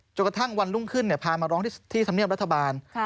จนกระทั่งวันรุ่งขึ้นพามาร้องที่ธรรมเนียบรัฐบาล